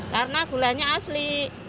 karena gulanya asli